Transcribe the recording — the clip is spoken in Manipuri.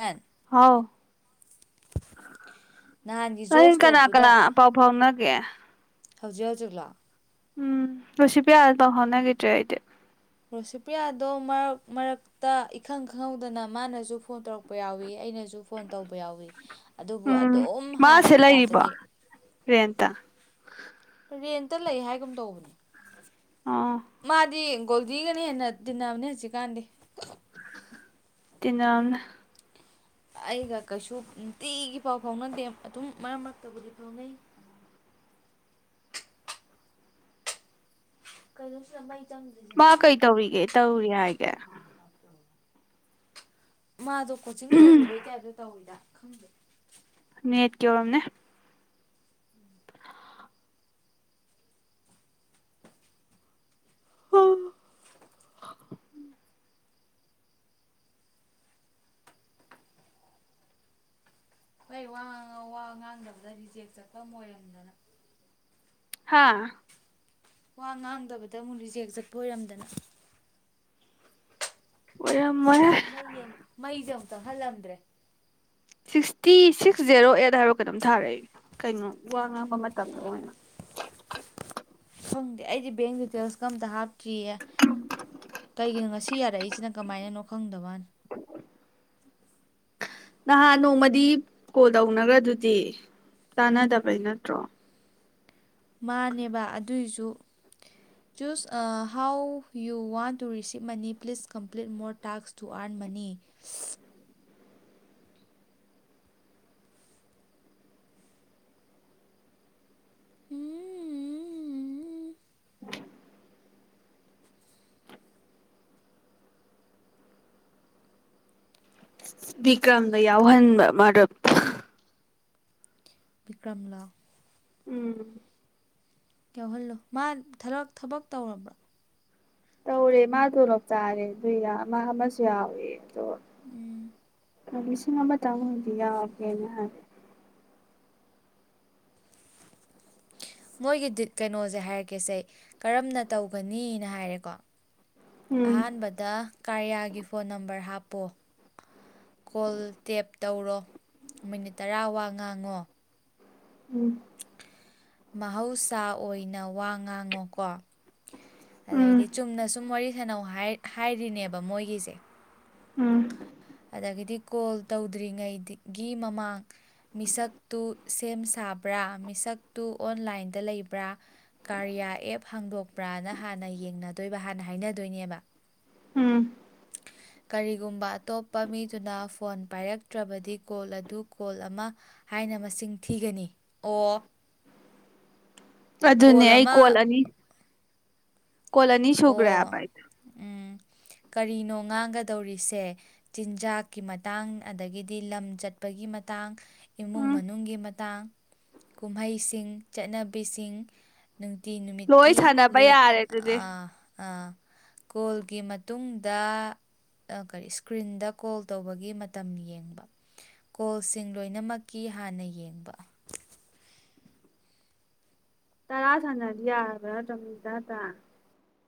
ꯃꯦꯟ ꯍꯥꯎ ꯅꯍꯥꯟꯒꯤ ꯖꯣꯁ ꯀꯅꯥ ꯇꯣꯛꯇꯨꯗ ꯀꯅꯥ ꯄꯥꯎ ꯐꯥꯎꯅ ꯒꯦ ꯍꯧꯖꯤꯛ ꯍꯧꯖꯤꯛ ꯂꯥꯛꯑꯣ ꯎꯝ ꯨꯁꯤꯤ ꯄꯤ ꯑꯜ ꯇꯧ ꯍꯉꯒꯗ꯭ꯦ ꯑꯥꯏꯗꯤ ꯔꯣꯁꯤꯄ꯭ꯔꯤꯌꯥꯗꯣ ꯃꯔꯛ ꯃꯔꯛꯇ ꯏꯈꯪ ꯈꯪꯍꯧꯗꯅ ꯃꯥꯅꯁꯨ ꯐꯣꯟ ꯇꯧꯔꯛꯄ ꯌꯥꯎꯏꯤ ꯑꯩꯅꯁꯨ ꯐꯣꯟ ꯇꯧꯕ ꯌꯥꯎꯏꯤ ꯎꯝ ꯃꯥꯁꯦ ꯂꯩꯔꯤꯕꯣ ꯔꯦꯟꯇ ꯔꯦꯟꯇ ꯂꯩ ꯍꯥꯏꯒꯨꯝ ꯇꯧꯕꯅꯤ ꯑꯣ ꯃꯥꯗꯤ ꯀꯒꯣꯤꯒꯅ ꯍꯦꯟꯅ ꯇꯤꯟꯅꯕꯅꯦ ꯍꯧꯖꯤꯛꯀꯥꯟꯗꯤ ꯇꯤꯅ ꯑꯃꯅ ꯑꯩꯒ ꯀꯩꯁꯨ ꯅꯨꯡꯇꯤꯒꯤ ꯄꯥꯎ ꯐꯥꯎꯅꯗꯦ ꯑꯗꯨꯝ ꯃꯔꯛ ꯃꯔꯛꯇꯕꯨꯗꯤ ꯐꯥꯎꯅꯩ ꯀꯩꯅꯣ ꯁꯥꯏ ꯃꯥ ꯀꯩ ꯇꯧꯔꯤꯒꯦꯦ ꯇꯧꯔꯤ ꯍꯥꯏꯒꯦ ꯃꯥꯗꯣ ꯀꯣꯆꯤꯡ ꯇꯧꯔꯤꯕꯩ ꯇꯥꯏꯞꯇꯣ ꯇꯧꯋꯤꯗ ꯈꯪꯗꯦ ꯅꯠ ꯀꯣ ꯑꯝꯅꯦ ꯑ ꯍꯣꯏ ꯋꯥ ꯋꯥ ꯉꯥꯡꯗꯕꯗ ꯔꯤꯖꯦꯛ ꯆꯠꯄ ꯑꯣꯏꯔꯝꯗꯅ ꯍꯥꯥ ꯋꯥ ꯉꯥꯡꯗꯕꯗ ꯑꯃꯨꯛ ꯂꯤꯖꯦꯛ ꯆꯠꯄ ꯑꯣꯏꯔꯝꯗꯅ ꯑꯣꯏꯔꯝꯃꯣꯏꯍꯦ ꯃꯩ ꯃꯩꯖꯝ ꯇꯪꯍꯜꯂꯝꯗ꯭ꯔꯦ ꯁꯤꯛꯁꯇꯤ ꯁꯤꯛꯁ ꯖꯦꯔꯣ ꯑꯦꯠ ꯍꯥꯏꯔꯣꯒ ꯑꯗꯨꯝ ꯊꯥꯔꯛꯏꯦ ꯀꯩꯅꯣ ꯋꯥ ꯉꯥꯡꯕ ꯃꯇꯝꯗꯣ ꯑꯣꯏꯅ ꯈꯪꯗꯦ ꯑꯩꯗꯤ ꯕꯦꯡ ꯗꯤꯇꯦꯜꯁ ꯀꯝꯇ ꯍꯥꯞꯇꯦ ꯀꯤꯌꯦ ꯀꯩꯒꯤꯅꯣ ꯉꯁꯤ ꯌꯥꯔꯛꯏꯁ ꯁꯤꯅ ꯀꯃꯥꯏꯅꯅꯣ ꯈꯪꯗꯕꯅꯤ ꯅꯍꯥꯟ ꯅꯣꯡꯃꯗꯤ ꯀꯣꯜ ꯇꯧꯅꯈ꯭ꯔ ꯑꯗꯨꯗꯤ ꯇꯥꯅꯗꯕꯩ ꯅꯠꯇ꯭ꯔꯣ꯫ ꯃꯥꯅꯦꯕ ꯑꯗꯨꯏꯁꯨ choose how you want to receipt money please complete more tasks to earn money ꯎꯝ꯫ ꯕꯤꯀ꯭ꯔꯝꯗ ꯌꯥꯎꯍꯟꯕ ꯃꯔꯨꯞ ꯕꯤꯀ꯭ꯔꯝꯂꯥ ꯎꯝ꯫ ꯌꯥꯎꯍꯜꯂꯣ ꯃꯥ ꯊꯕꯛ ꯇꯧꯔꯕ꯭ꯔꯥ? ꯇꯧꯔꯦ ꯃꯥ ꯇꯣꯂꯣꯞ ꯆꯥꯔꯦ ꯑꯗꯨ ꯃꯥ ꯑꯃꯁꯨ ꯌꯥꯎꯏ꯫ ꯎꯝ [unintelligible] ꯂꯤꯁꯤꯡ ꯑꯃꯇꯥ ꯑꯣꯏꯗꯤ ꯌꯥꯑꯣꯒꯦꯅ ꯍꯥꯏ ꯫ ꯃꯣꯏꯒꯤꯗꯤꯠ ꯀꯩꯅꯣꯁꯦ ꯍꯥꯏꯔꯛꯀꯦꯁꯦ ꯀꯔꯝꯅ ꯇꯧꯒꯅꯤꯅ ꯍꯥꯏꯔꯦꯀꯣ ꯎꯝ ꯑꯍꯥꯟꯕꯗ ꯀꯥꯔꯤꯌꯥꯒꯤ ꯐꯣꯟ ꯅꯝꯕꯔ ꯍꯥꯞ ꯄꯣ ꯀꯣꯜ ꯇꯦꯞ ꯇꯧꯔꯣ ꯃꯤꯅꯤꯠ ꯇꯔꯥ ꯋꯥ ꯉꯥꯡꯉꯣ ꯎꯝ꯫ ꯃꯍꯧꯁꯥ ꯑꯣꯏꯅ ꯋꯥ ꯉꯥꯡꯉꯣꯀꯣ ꯎꯝ ꯑꯗꯩꯗꯤ ꯆꯨꯝꯅ ꯁꯨꯝ ꯋꯥꯔꯤ ꯁꯅꯧ ꯍꯥꯏꯔꯤꯅꯦꯕ ꯃꯣꯏꯒꯤꯁꯦ ꯎꯝ꯫ ꯑꯗꯒꯤꯗꯤ ꯀꯣꯜ ꯇꯧꯗ꯭ꯔꯤꯉꯩꯗꯒꯤ ꯃꯃꯥꯡ ꯃꯤꯁꯛꯇꯨ ꯁꯦꯝ ꯁꯥꯕ꯭ꯔꯥ ꯃꯤꯁꯛꯇꯨ ꯑꯣꯟꯂꯥꯏꯟꯗ ꯂꯩꯕ꯭ꯔꯥ ꯀꯥꯔꯤꯌꯥ ꯑꯦꯞ ꯍꯥꯡꯗꯣꯛꯄ꯭ꯔꯥꯅ ꯍꯥꯟꯅ ꯌꯦꯡꯅꯗꯣꯏꯕ ꯍꯥꯟꯅ ꯍꯥꯏꯅꯗꯣꯏꯅꯦꯕ ꯎꯝ꯫ ꯀꯔꯤꯒꯨꯝꯕ ꯑꯇꯣꯞꯄ ꯃꯤꯗꯨꯅ ꯐꯣꯟ ꯄꯥꯏꯔꯛꯇ꯭ꯔꯕꯗꯤ ꯀꯣꯜ ꯑꯗꯨ ꯀꯣꯜ ꯑꯃ ꯍꯥꯏꯅ ꯃꯁꯤꯡ ꯊꯤꯒꯅꯤ ꯑꯣ ꯑꯗꯨꯅꯦ ꯀꯣꯜ ꯑꯩ ꯑꯃ ꯀꯣꯜꯂꯅꯤ ꯀꯣꯜ ꯑꯅꯤ ꯁꯒ꯭ꯔꯦ ꯑꯣ ꯍꯥꯕꯥ ꯑꯩꯗꯤ꯫ ꯎꯝ ꯀꯔꯤꯅꯣ ꯉꯥꯡꯒꯗꯧꯔꯤꯁꯦ ꯆꯤꯟꯖꯥꯛꯀꯤ ꯃꯇꯥꯡ ꯑꯗꯒꯤꯗꯤ ꯂꯝ ꯆꯠꯄꯒꯤ ꯃꯇꯥꯡ ꯏꯃꯨꯡ ꯎꯝ ꯃꯅꯨꯡꯒꯤ ꯃꯥ ꯥꯀꯨꯝꯍꯩꯁꯤꯡ ꯆꯠꯅꯕꯤꯁꯤꯡ ꯅꯨꯡꯇꯤ ꯂꯣꯏ ꯅꯨꯃꯤꯠꯀꯤ ꯁꯥꯟꯅꯕ ꯂꯦꯠ ꯌꯥꯔꯦ ꯑꯗꯨꯗꯤ ꯑ ꯀꯣꯜꯒꯤ ꯃꯇꯨꯡꯗ ꯀꯔꯤ ꯏꯁꯀ꯭ꯔꯤꯟꯗ ꯀꯣꯜ ꯇꯧꯕꯒꯤ ꯃꯇꯝ ꯌꯦꯡꯕ ꯀꯣꯜꯁꯤꯡ ꯂꯣꯏꯅꯃꯛꯀꯤ ꯍꯥꯟꯅ ꯌꯦꯡꯕ ꯇꯔꯥ ꯁꯥꯟꯅꯗꯤ ꯌꯥꯕ꯭ꯔꯥ ꯅꯠꯇꯔꯥ ꯃꯤꯅꯤꯠ ꯇꯔꯥ - ꯇꯔꯥ꯫